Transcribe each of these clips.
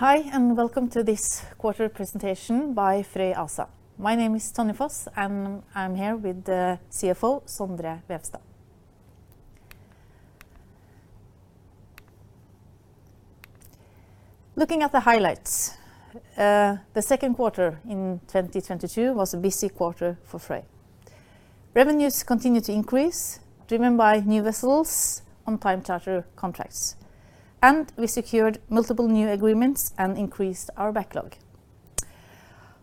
Hi, welcome to this quarter presentation by Frøy ASA. My name is Tonje Foss, and I'm here with the CFO, Sondre Vevstad. Looking at the highlights, the Q3 in 2022 was a busy quarter for Frøy. Revenues continued to increase driven by new vessels on time charter contracts, and we secured multiple new agreements and increased our backlog.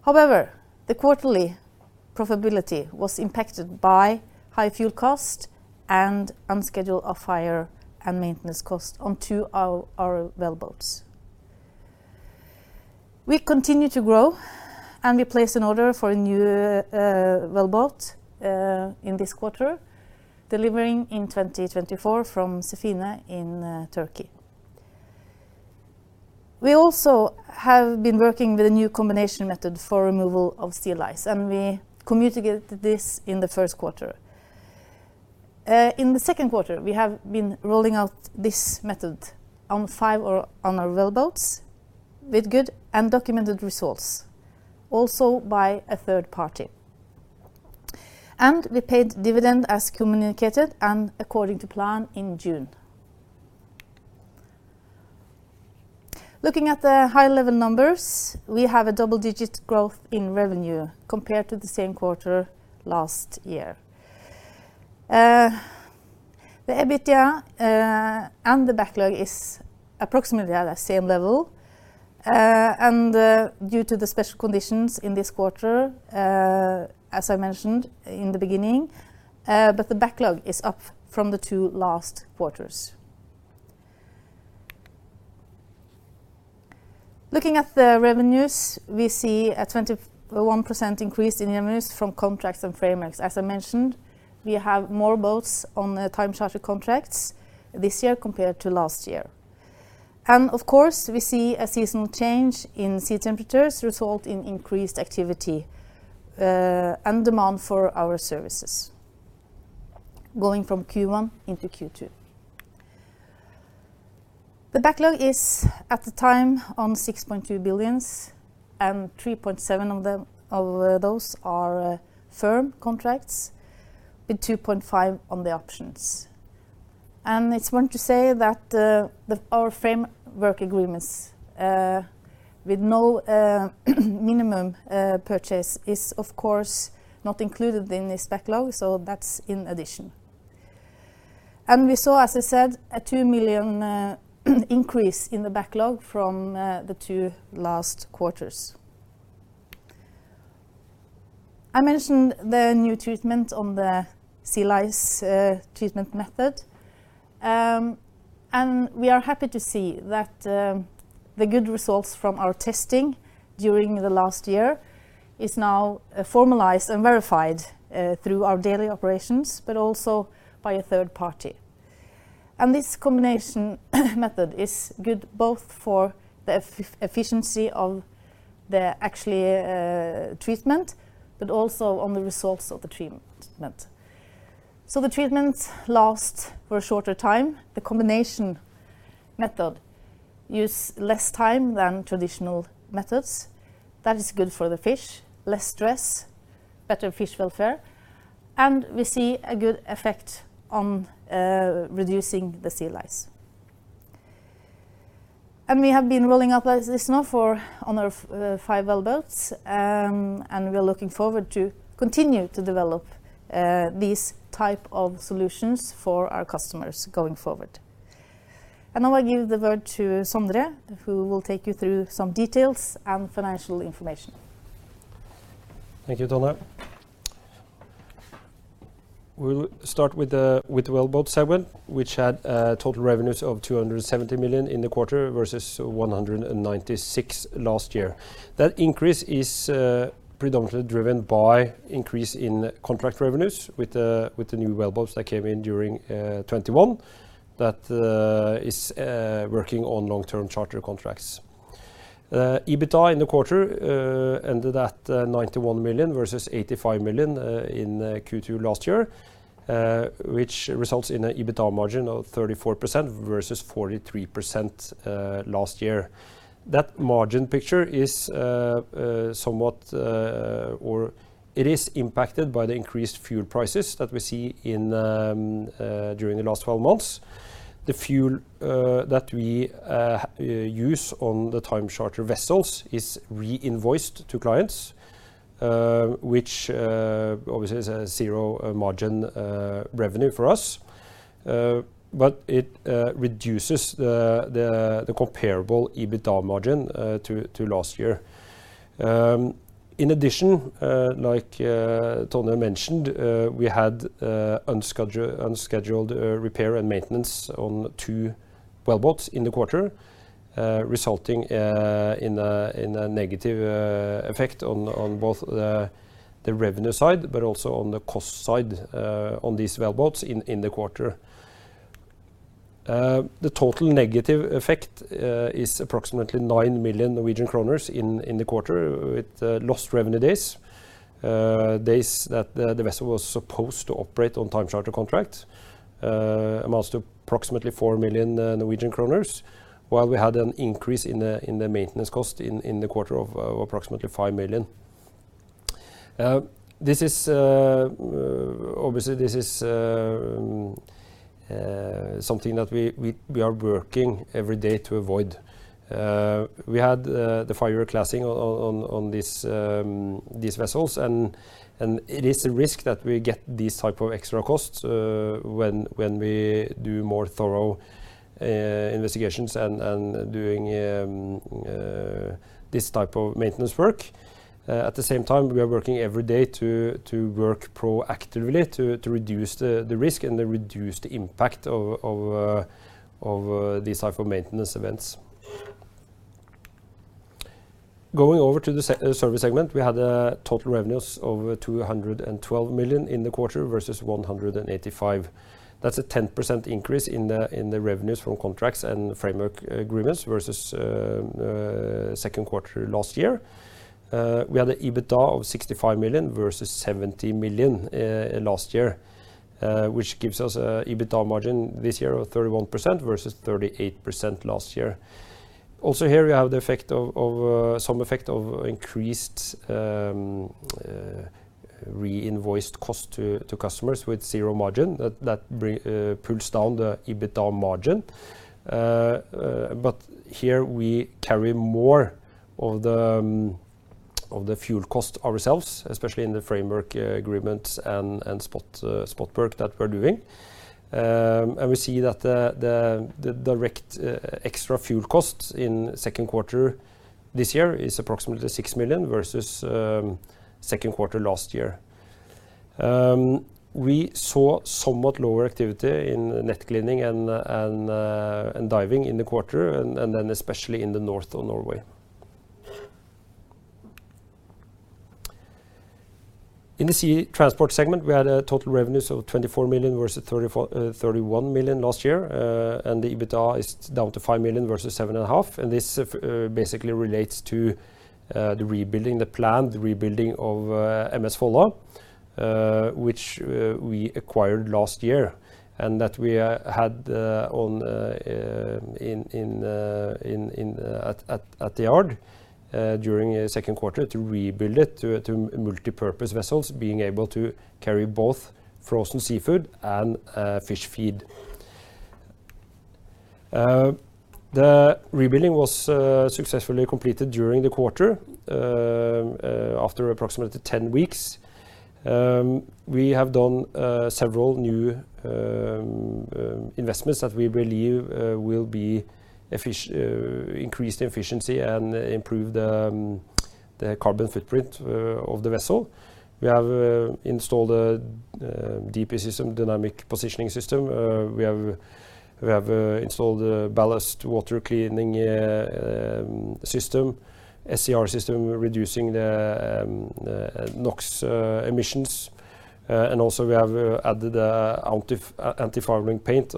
However, the quarterly profitability was impacted by high fuel cost and unscheduled off-hire and maintenance costs on two of our wellboats. We continue to grow, and we placed an order for a new wellboat in this quarter, delivering in 2024 from Sefine in Turkey. We also have been working with a new combination method for removal of sea lice, and we communicated this in the Q1. In the Q3, we have been rolling out this method on five wellboats with good and documented results also by a third party. We paid dividend as communicated and according to plan in June. Looking at the high-level numbers, we have a double-digit growth in revenue compared to the same quarter last year. The EBITDA and the backlog is approximately at the same level, and due to the special conditions in this quarter, as I mentioned in the beginning, but the backlog is up from the two last quarters. Looking at the revenues, we see a 21% increase in revenues from contracts and frameworks. As I mentioned, we have more boats on the time charter contracts this year compared to last year. Of course, we see a seasonal change in sea temperatures result in increased activity and demand for our services going from Q1 into Q2. The backlog is at the time on 6.2 billion, and 3.7 billion of those are firm contracts with 2.5 billion on the options. It's important to say that our framework agreements with no minimum purchase is of course not included in this backlog, so that's in addition. We saw, as I said, a 2 million increase in the backlog from the two last quarters. I mentioned the new treatment on the sea lice, treatment method, and we are happy to see that, the good results from our testing during the last year is now formalized and verified through our daily operations, but also by a third party. This combination method is good both for the efficiency of the actual treatment, but also on the results of the treatment. The treatment lasts for a shorter time. The combination method use less time than traditional methods. That is good for the fish, less stress, better fish welfare, and we see a good effect on reducing the sea lice. We have been rolling out as is now for on our five wellboats, and we're looking forward to continue to develop these type of solutions for our customers going forward. Now I give the word to Sondre, who will take you through some details and financial information. Thank you, Tonje. We'll start with the Wellboat segment, which had total revenues of 270 million in the quarter versus 196 million last year. That increase is predominantly driven by increase in contract revenues with the new wellboats that came in during 2021 that is working on long-term charter contracts. EBITDA in the quarter ended at 91 million versus 85 million in Q2 last year, which results in a EBITDA margin of 34% versus 43% last year. That margin picture is somewhat or it is impacted by the increased fuel prices that we see during the last twelve months. The fuel that we use on the time charter vessels is reinvoiced to clients, which obviously is a zero-margin revenue for us, but it reduces the comparable EBITDA margin to last year. In addition, like Tonje mentioned, we had unscheduled repair and maintenance on two wellboats in the quarter, resulting in a negative effect on both the revenue side but also on the cost side on these wellboats in the quarter. The total negative effect is approximately 9 million Norwegian kroner in the quarter with lost revenue days. The days that the vessel was supposed to operate on time charter contract amounts to approximately 4 million Norwegian kroner, while we had an increase in the maintenance cost in the quarter of approximately 5 million. This is obviously something that we are working every day to avoid. We had the five-year classing on these vessels and it is a risk that we get these type of extra costs when we do more thorough investigations and doing this type of maintenance work. At the same time, we are working every day to work proactively to reduce the risk and to reduce the impact of these type of maintenance events. Going over to the Service segment, we had total revenues of 212 million in the quarter versus 185 million. That's a 10% increase in the revenues from contracts and framework agreements versus Q3 last year. We had an EBITDA of 65 million versus 70 million last year, which gives us an EBITDA margin this year of 31% versus 38% last year. Also here, we have the effect of increased re-invoiced costs to customers with zero margin that pulls down the EBITDA margin. But here we carry more of the fuel costs ourselves, especially in the framework agreements and spot work that we're doing. We see that the direct extra fuel costs in Q3 this year is approximately 6 million versus Q3 last year. We saw somewhat lower activity in net cleaning and diving in the quarter and then especially in the north of Norway. In the Sea Transport segment, we had total revenues of 24 million versus 31 million last year. The EBITDA is down to 5 million versus 7.5 million, and this basically relates to the rebuilding, the planned rebuilding of MS Volla, which we acquired last year. We had at the yard during Q3 to rebuild it to multipurpose vessels being able to carry both frozen seafood and fish feed. The rebuilding was successfully completed during the quarter after approximately 10 weeks. We have done several new investments that we believe will increase the efficiency and improve the carbon footprint of the vessel. We have installed a DP system, Dynamic Positioning system. We have installed the ballast water treatment system, SCR system, reducing the NOx emissions. We have added an antifouling paint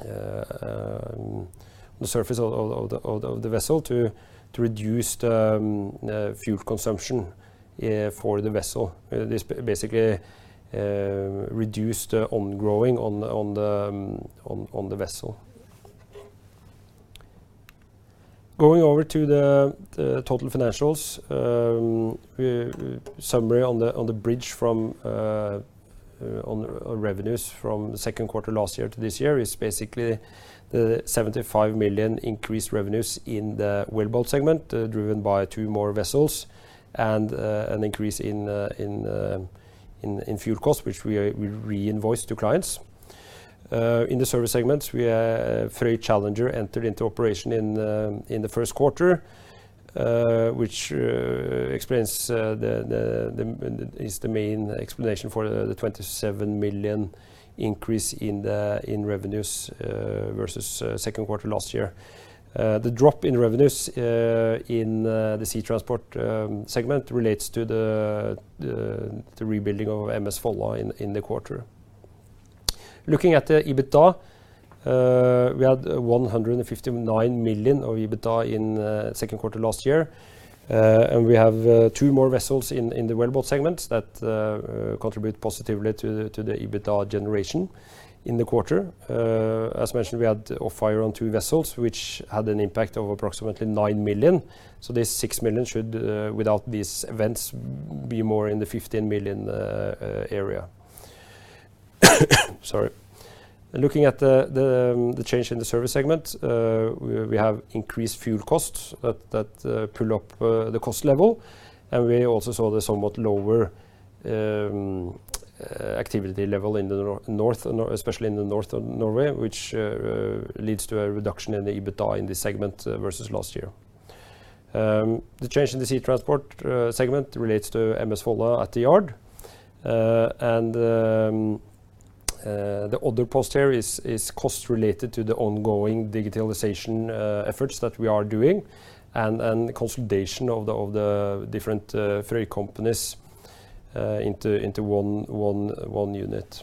on the surface of the vessel to reduce the fuel consumption for the vessel. This basically reduces growth on the vessel. Going over to the total financials. Summary on the bridge from revenues from the Q3 last year to this year is basically the 75 million increased revenues in the Wellboat segment, driven by two more vessels and an increase in fuel costs, which we reinvoiced to clients. In the service segment, Frøy Challenger entered into operation in the Q1, which explains the. Is the main explanation for the 27 million increase in revenues versus Q3 last year. The drop in revenues in the Sea Transport segment relates to the rebuilding of MS Volla in the quarter. Looking at the EBITDA, we had 159 million of EBITDA in Q3 last year. We have two more vessels in the Wellboat segment that contribute positively to the EBITDA generation in the quarter. As mentioned, we had a fire on two vessels which had an impact of approximately 9 million. This 6 million should without these events be more in the 15 million area. Sorry. Looking at the change in the Service segment, we have increased fuel costs that pull up the cost level. We also saw the somewhat lower activity level in the north, especially in the north of Norway, which leads to a reduction in the EBITDA in this segment versus last year. The change in the Sea Transport segment relates to MS Volla at the yard. The other post here is cost related to the ongoing digitalization efforts that we are doing and consolidation of the different Frøy companies into one unit.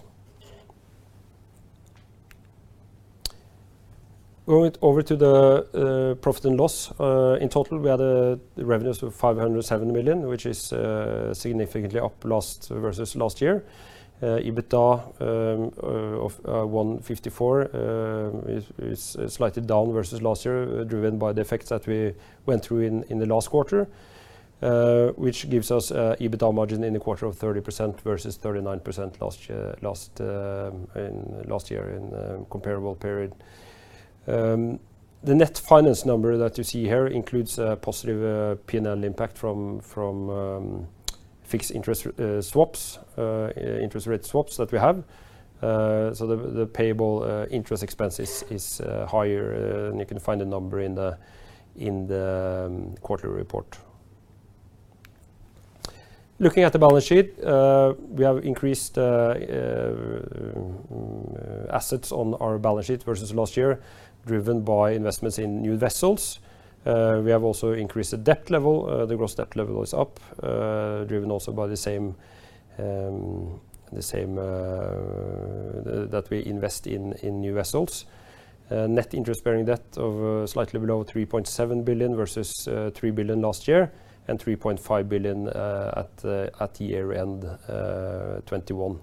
Going over to the profit and loss. In total, we had revenues of 507 million, which is significantly up versus last year. EBITDA of 154 is slightly down versus last year, driven by the effects that we went through in the last quarter. Which gives us EBITDA margin in the quarter of 30% versus 39% last year in comparable period. The net finance number that you see here includes a positive P&L impact from interest rate swaps that we have. The payable interest expenses is higher, and you can find the number in the quarterly report. Looking at the balance sheet, we have increased assets on our balance sheet versus last year driven by investments in new vessels. We have also increased the debt level. The gross debt level is up, driven also by the same that we invest in new vessels. Net interest-bearing debt of slightly below 3.7 billion versus 3 billion last year and 3.5 billion at year-end 2021.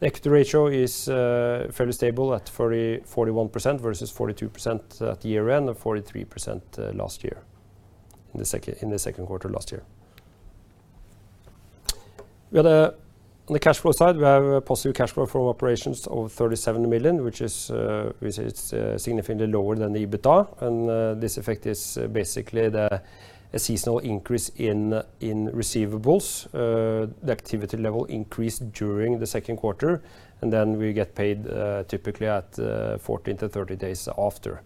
The equity ratio is fairly stable at 41% versus 42% at year-end and 43% last year, in the Q3 last year. On the cash flow side, we have a positive cash flow from operations of 37 million, which is significantly lower than the EBITDA and this effect is basically a seasonal increase in receivables. The activity level increased during the Q3 and then we get paid typically at 14-30 days after.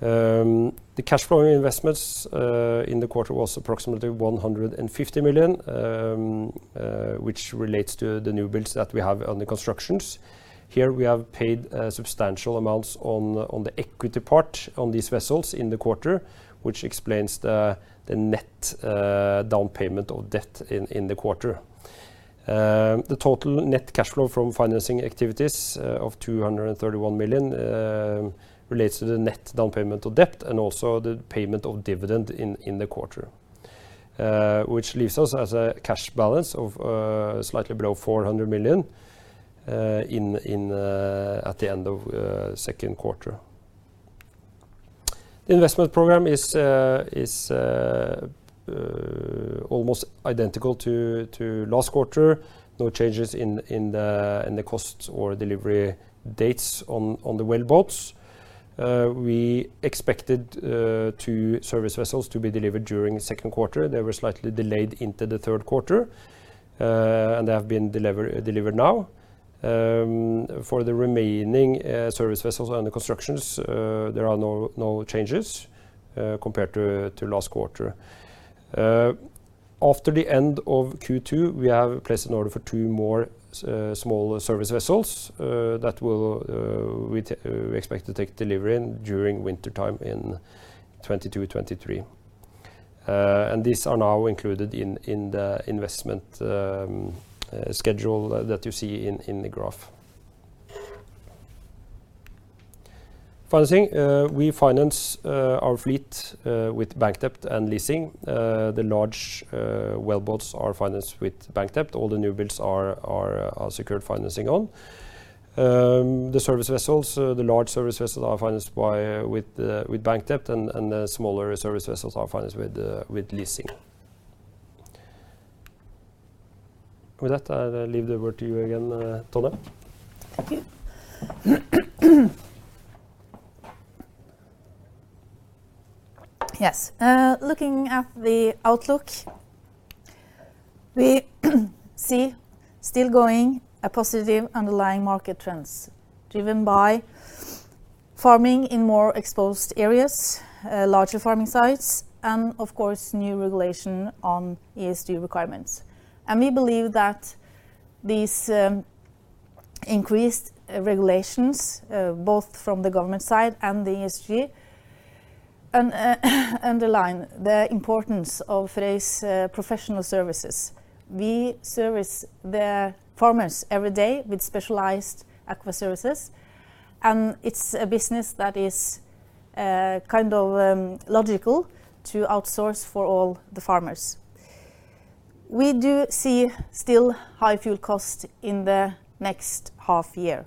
The cash flow investments in the quarter was approximately 150 million, which relates to the new builds that we have under construction. Here, we have paid substantial amounts on the equity part on these vessels in the quarter, which explains the net drawdown of debt in the quarter. The total net cash flow from financing activities of 231 million relates to the net drawdown of debt and also the payment of dividend in the quarter. Which leaves us with a cash balance of slightly below 400 million at the end of Q3. The investment program is almost identical to last quarter. No changes in the costs or delivery dates on the wellboats. We expected two service vessels to be delivered during the Q3. They were slightly delayed into the Q3, and they have been delivered now. For the remaining service vessels under construction, there are no changes compared to last quarter. After the end of Q2, we have placed an order for two more small service vessels that we expect to take delivery during wintertime in 2022-2023. These are now included in the investment schedule that you see in the graph. Financing. We finance our fleet with bank debt and leasing. The large wellboats are financed with bank debt. All the new builds are secured financing on. The large service vessels are financed with bank debt and the smaller service vessels are financed with leasing. With that, I leave the word to you again, Tonje. Thank you. Yes. Looking at the outlook, we see still strong positive underlying market trends driven by farming in more exposed areas, larger farming sites and of course new regulation on ESG requirements. We believe that these increased regulations both from the government side and the ESG underline the importance of Frøy's professional services. We service the farmers every day with specialized aqua services and it's a business that is kind of logical to outsource for all the farmers. We do see still high fuel cost in the next half year.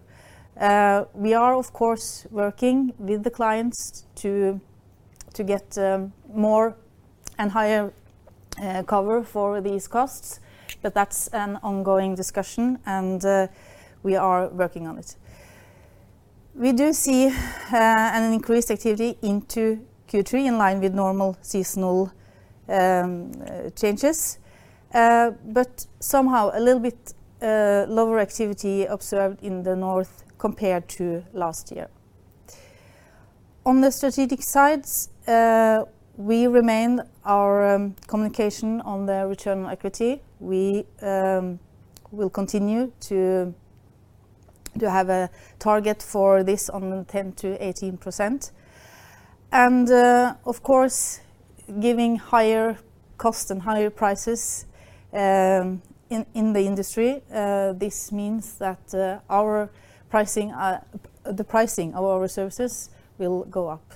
We are of course working with the clients to get more and higher cover for these costs, but that's an ongoing discussion and we are working on it. We do see an increased activity into Q3 in line with normal seasonal changes. Somehow a little bit lower activity observed in the North compared to last year. On the strategic sides, we maintain our communication on the return on equity. We will continue to have a target for this of 10%-18% and, of course, given higher cost and higher prices in the industry, this means that our pricing, the pricing of our resources will go up.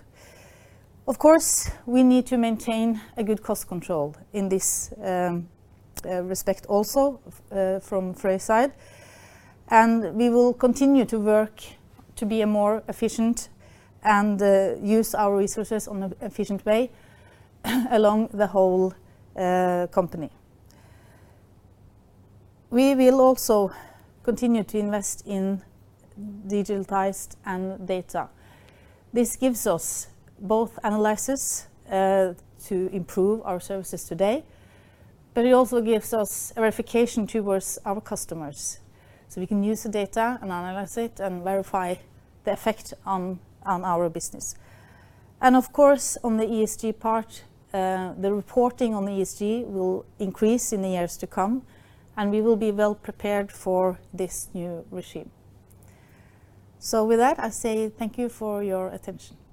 Of course, we need to maintain a good cost control in this respect also from Frøy's side and we will continue to work to be a more efficient and use our resources in an efficient way along the whole company. We will also continue to invest in digitalization and data. This gives us both analysis to improve our services today, but it also gives us a verification towards our customers, so we can use the data and analyze it and verify the effect on our business. Of course, on the ESG part, the reporting on the ESG will increase in the years to come and we will be well prepared for this new regime. With that, I say thank you for your attention.